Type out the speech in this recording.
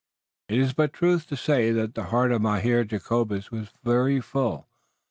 It is but truth to say that the heart of Mynheer Jacobus was very full.